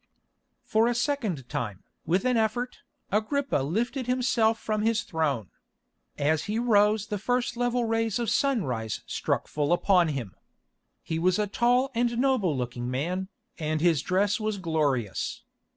For a second time, with an effort, Agrippa lifted himself from his throne. As he rose the first level rays of sunrise struck full upon him. He was a tall and noble looking man, and his dress was glorious.